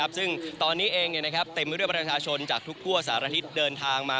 ซึ่งตอนนี้เองเต็มไปด้วยประชาชนจากทุกทั่วสารทิศเดินทางมา